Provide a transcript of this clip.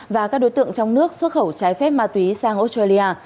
và các đối tượng trong nước xuất khẩu trái phép ma túy sang australia